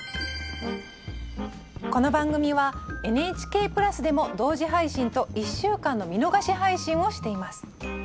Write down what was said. この番組はＮＨＫプラスでも同時配信と１週間の見逃し配信をしています。